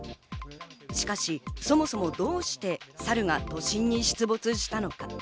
しかし、そもそもどうしてサルが都心に出没したのか。